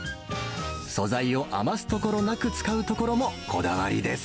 素材を余すところなく、使うところも、こだわりです。